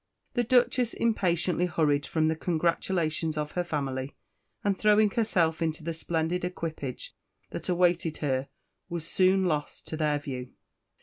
The Duchess impatiently hurried from the congratulations of her family, and throwing herself into the splendid equipage that awaited her was soon lost to their view.